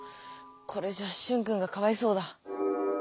これじゃシュンくんがかわいそうだ。